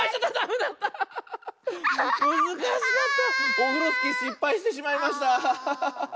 オフロスキーしっぱいしてしまいました！ハハハ。